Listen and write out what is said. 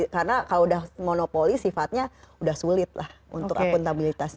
karena kalau sudah monopoli sifatnya sudah sulit lah untuk akuntabilitasnya